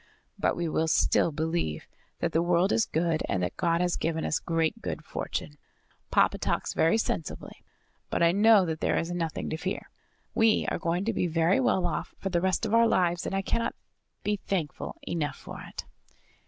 "But we will still believe that the world is good and that God has given us great good fortune. Papa talks very sensibly; but I know that there is nothing to fear. We are going to be very well off for the rest of our lives, and I cannot be thankful enough for it."